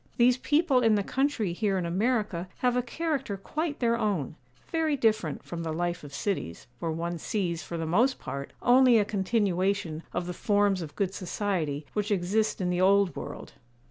These people in the country here in America have a character quite their own; very different from the life of cities, where one sees, for the most part, only a continuation of the forms of good society which exist in the old world.